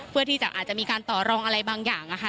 เพื่อที่จะอาจจะมีการต่อรองอะไรบางอย่างนะคะ